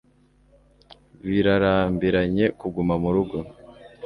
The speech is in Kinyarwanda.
birarambiranye kuguma murugo